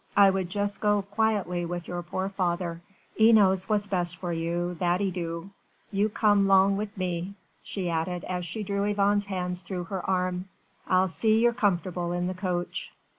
I would jess go quietly with your pore father: 'e knows what's best for you, that 'e do. You come 'long wi' me," she added as she drew Yvonne's hands through her arm, "I'll see ye're comfortable in the coach."